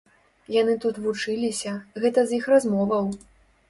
Яны тут вучыліся, гэта з іх размоваў.